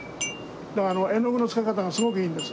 だから絵の具の付け方がすごくいいんです。